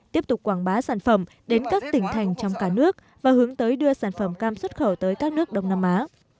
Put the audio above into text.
tiếp tục quảng bá sản phẩm đến các tỉnh thành trong cả nước và hướng tới đưa sản phẩm cam xuất khẩu tới các nước đông nam á